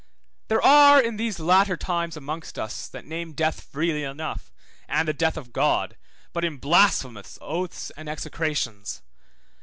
There are in these latter times amongst us that name death freely enough, and the death of God, but in blasphemous oaths and execrations.